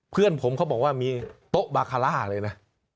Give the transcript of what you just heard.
เพื่อนผมเขาบอกว่ามีโต๊ะบาคาร่าเลยนะ